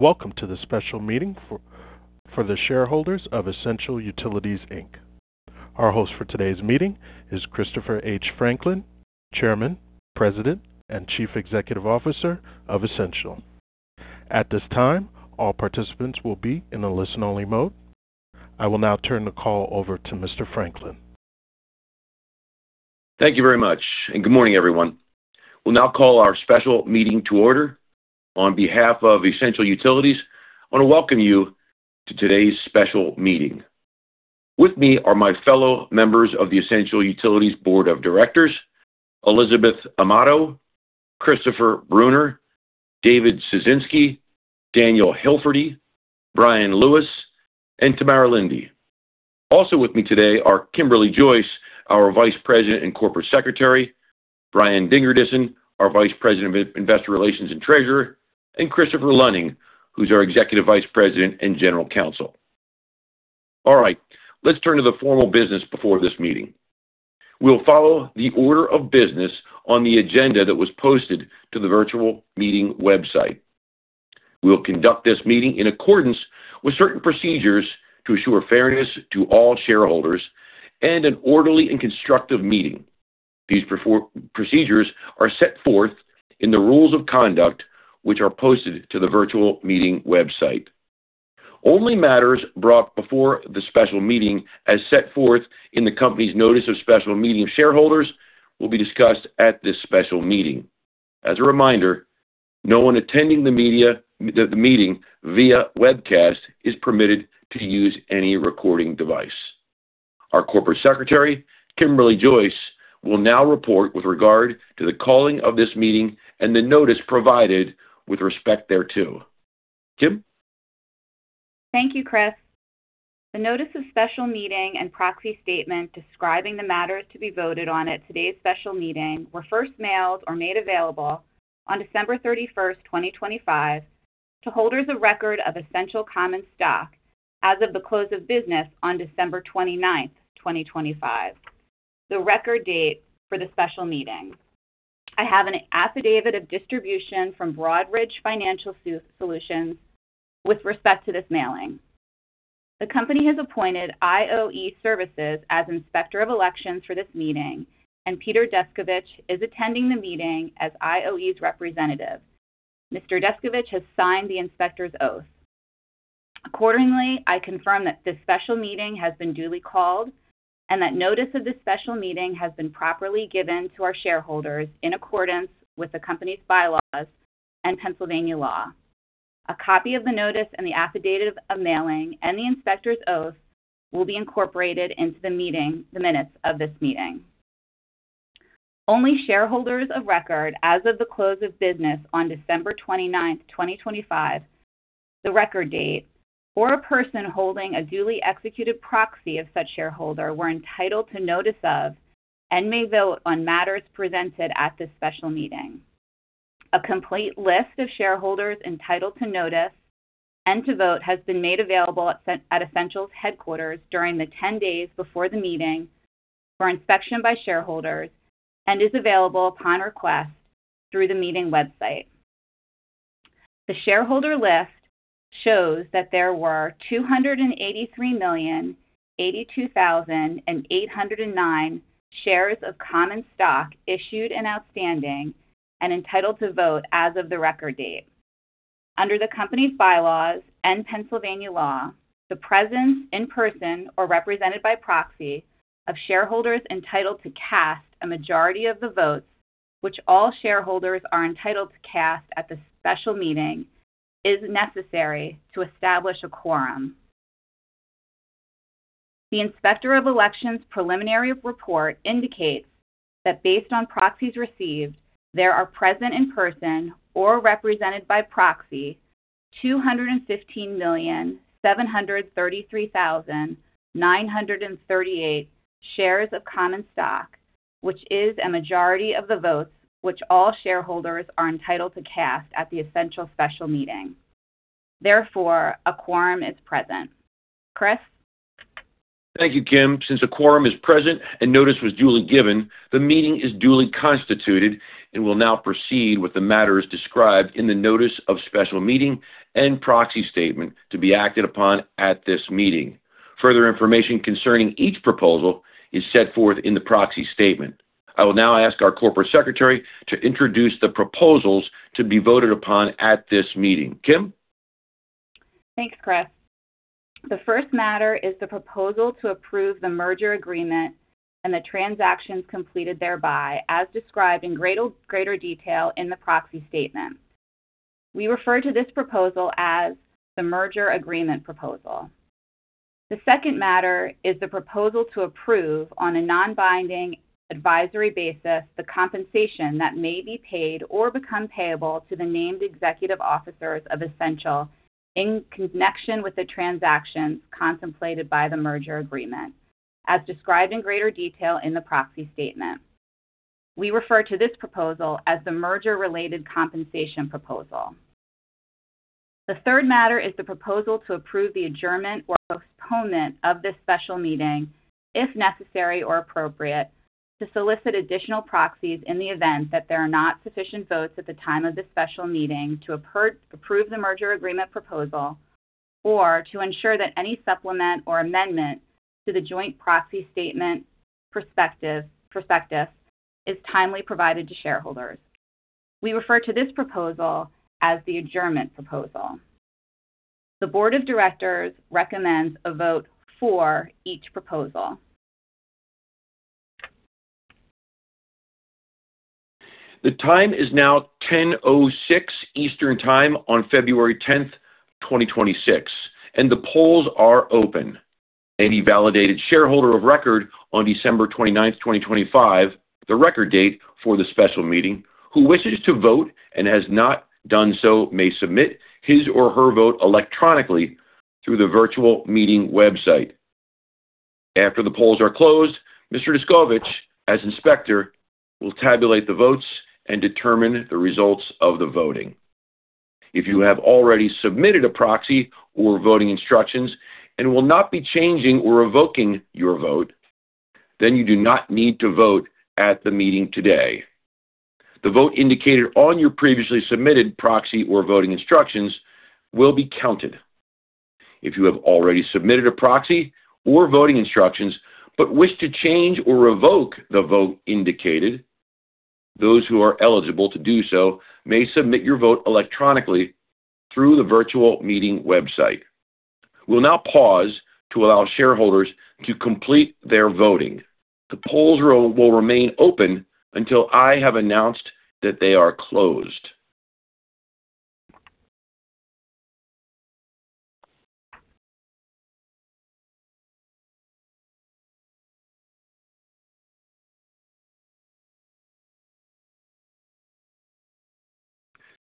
Welcome to the special meeting for the shareholders of Essential Utilities, Inc. Our host for today's meeting is Christopher H. Franklin, Chairman, President, and Chief Executive Officer of Essential Utilities. At this time, all participants will be in a listen-only mode. I will now turn the call over to Mr. Franklin. Thank you very much, and good morning, everyone. We'll now call our special meeting to order. On behalf of Essential Utilities, I want to welcome you to today's special meeting. With me are my fellow members of the Essential Utilities Board of Directors, Elizabeth B. Amato, Christopher Brunner, David A. Ciesinski, Daniel J. Hilferty, Brian Lewis, and Tamara L. Linde. Also with me today are Kimberly J. Joyce, our Vice President and Corporate Secretary, Brian Dingerdissen, our Vice President of Investor Relations and Treasurer, and Christopher J. Luning, who's our Executive Vice President and General Counsel. All right, let's turn to the formal business before this meeting. We'll follow the order of business on the agenda that was posted to the virtual meeting website. We'll conduct this meeting in accordance with certain procedures to assure fairness to all shareholders and an orderly and constructive meeting. These procedures are set forth in the rules of conduct, which are posted to the virtual meeting website. Only matters brought before the special meeting, as set forth in the company's notice of special meeting shareholders, will be discussed at this special meeting. As a reminder, no one attending the meeting via webcast is permitted to use any recording device. Our Corporate Secretary, Kimberly Joyce, will now report with regard to the calling of this meeting and the notice provided with respect thereto. Kim? Thank you, Chris. The notice of special meeting and proxy statement describing the matters to be voted on at today's special meeting were first mailed or made available on December 31st, 2025, to holders of record of Essential common stock as of the close of business on December 29th, 2025, the record date for the special meeting. I have an affidavit of distribution from Broadridge Financial Solutions with respect to this mailing. The company has appointed IVS Associates as Inspector of Elections for this meeting, and Peter Descovich is attending the meeting as IOE's representative. Mr. Descovich has signed the Inspector's oath. Accordingly, I confirm that this special meeting has been duly called and that notice of this special meeting has been properly given to our shareholders in accordance with the company's bylaws and Pennsylvania law. A copy of the notice and the affidavit of mailing and the inspector's oath will be incorporated into the meeting, the minutes of this meeting. Only shareholders of record as of the close of business on December 29, 2025, the record date, or a person holding a duly executed proxy of such shareholder were entitled to notice of and may vote on matters presented at this special meeting. A complete list of shareholders entitled to notice and to vote has been made available at Essential's headquarters during the 10 days before the meeting for inspection by shareholders and is available upon request through the meeting website. The shareholder list shows that there were 283,082,809 shares of common stock issued and outstanding and entitled to vote as of the record date. Under the company's bylaws and Pennsylvania law, the presence in person or represented by proxy of shareholders entitled to cast a majority of the votes, which all shareholders are entitled to cast at the special meeting, is necessary to establish a quorum. The Inspector of Elections' preliminary report indicates that based on proxies received, there are present in person or represented by proxy, 215,733,938 shares of common stock, which is a majority of the votes which all shareholders are entitled to cast at the Essential special meeting. Therefore, a quorum is present. Chris? Thank you, Kim. Since a quorum is present and notice was duly given, the meeting is duly constituted and will now proceed with the matters described in the notice of special meeting and proxy statement to be acted upon at this meeting. Further information concerning each proposal is set forth in the proxy statement. I will now ask our corporate secretary to introduce the proposals to be voted upon at this meeting. Kim? Thanks, Chris. The first matter is the proposal to approve the merger agreement and the transactions completed thereby, as described in greater, greater detail in the proxy statement. We refer to this proposal as the merger agreement proposal. The second matter is the proposal to approve, on a non-binding advisory basis, the compensation that may be paid or become payable to the named executive officers of Essential in connection with the transactions contemplated by the merger agreement, as described in greater detail in the proxy statement. We refer to this proposal as the merger-related compensation proposal. The third matter is the proposal to approve the adjournment or postponement of this special meeting, if necessary or appropriate.... to solicit additional proxies in the event that there are not sufficient votes at the time of this special meeting to approve the merger agreement proposal or to ensure that any supplement or amendment to the Joint Proxy Statement/Prospectus is timely provided to shareholders. We refer to this proposal as the adjournment proposal. The board of directors recommends a vote for each proposal. The time is now 10:06 Eastern Time on February 10th, 2026, and the polls are open. Any validated shareholder of record on December twenty-ninth, 2025, the record date for the special meeting, who wishes to vote and has not done so, may submit his or her vote electronically through the virtual meeting website. After the polls are closed, Mr. Descovich, as inspector, will tabulate the votes and determine the results of the voting. If you have already submitted a proxy or voting instructions and will not be changing or revoking your vote, then you do not need to vote at the meeting today. The vote indicated on your previously submitted proxy or voting instructions will be counted. If you have already submitted a proxy or voting instructions but wish to change or revoke the vote indicated, those who are eligible to do so may submit your vote electronically through the virtual meeting website. We'll now pause to allow shareholders to complete their voting. The polls will remain open until I have announced that they are closed.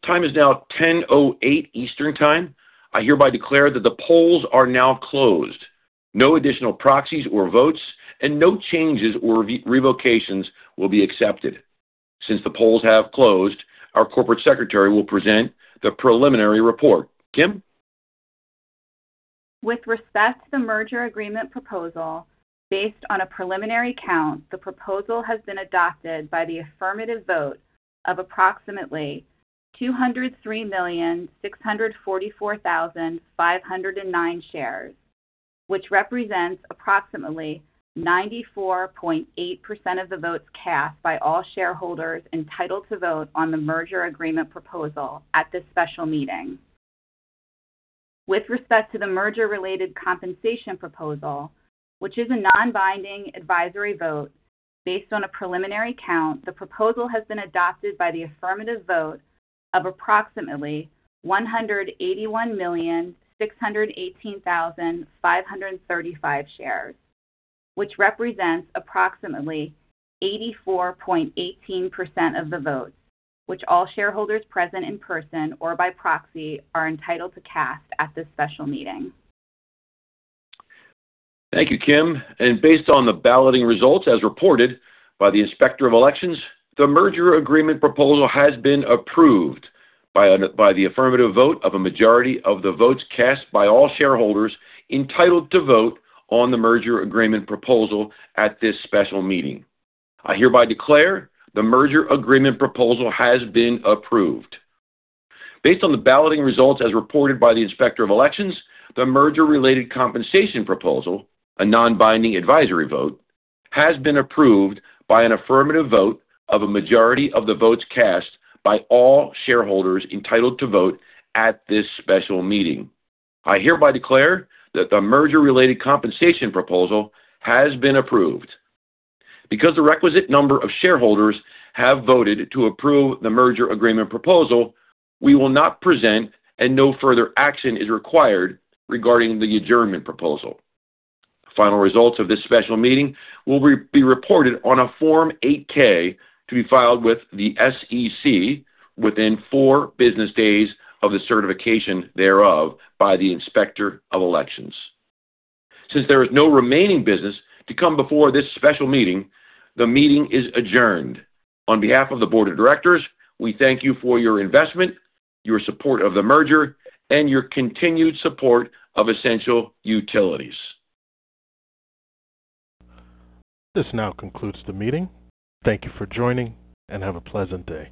The time is now 10:08 Eastern Time. I hereby declare that the polls are now closed. No additional proxies or votes and no changes or revocations will be accepted. Since the polls have closed, our Corporate Secretary will present the preliminary report. Kim? With respect to the merger agreement proposal, based on a preliminary count, the proposal has been adopted by the affirmative vote of approximately 203,644,509 shares, which represents approximately 94.8% of the votes cast by all shareholders entitled to vote on the merger agreement proposal at this special meeting. With respect to the merger-related compensation proposal, which is a non-binding advisory vote, based on a preliminary count, the proposal has been adopted by the affirmative vote of approximately 181,618,535 shares, which represents approximately 84.18% of the votes, which all shareholders present in person or by proxy are entitled to cast at this special meeting. Thank you, Kim. Based on the balloting results, as reported by the Inspector of Elections, the Merger Agreement Proposal has been approved by the affirmative vote of a majority of the votes cast by all shareholders entitled to vote on the Merger Agreement Proposal at this special meeting. I hereby declare the Merger Agreement Proposal has been approved. Based on the balloting results as reported by the Inspector of Elections, the Merger-Related Compensation Proposal, a non-binding advisory vote, has been approved by an affirmative vote of a majority of the votes cast by all shareholders entitled to vote at this special meeting. I hereby declare that the Merger-Related Compensation Proposal has been approved. Because the requisite number of shareholders have voted to approve the Merger Agreement Proposal, we will not present, and no further action is required regarding the Adjournment Proposal. Final results of this special meeting will be reported on a Form 8-K, to be filed with the SEC within four business days of the certification thereof by the Inspector of Elections. Since there is no remaining business to come before this special meeting, the meeting is adjourned. On behalf of the Board of Directors, we thank you for your investment, your support of the merger, and your continued support of Essential Utilities. This now concludes the meeting. Thank you for joining, and have a pleasant day.